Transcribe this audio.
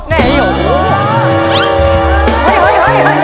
แหละโอ้โห